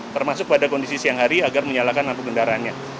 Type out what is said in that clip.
termasuk pada kondisi siang hari agar menyalakan lampu kendaraannya